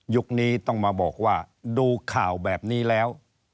นี้ต้องมาบอกว่าดูข่าวแบบนี้แล้ว